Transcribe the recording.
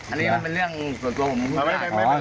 อันนี้มันเป็นเรื่องส่วนตัวผม